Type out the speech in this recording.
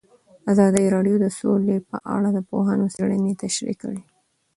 ازادي راډیو د سوله په اړه د پوهانو څېړنې تشریح کړې.